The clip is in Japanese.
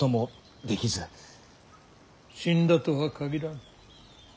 死んだとは限らん。